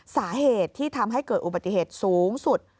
สาเหตุที่ทำให้เกิดอุบัติเหตุสูงสุด